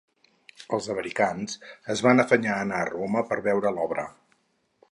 Els americans es van afanyar a anar a Roma per veure l'obra.